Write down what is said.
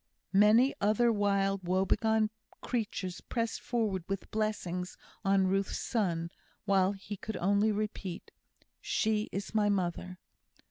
Many other wild, woe begone creatures pressed forward with blessings on Ruth's son, while he could only repeat: "She is my mother."